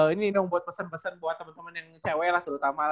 ini dong buat pesen pesen buat temen temen yang cewek lah terutama